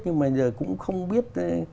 nhưng mà giờ cũng không biết